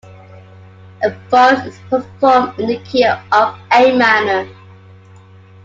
"A Forest" is performed in the key of A minor.